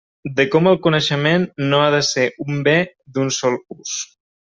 De com el coneixement no ha de ser un bé d'un sol ús.